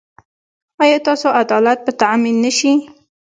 ایا ستاسو عدالت به تامین نه شي؟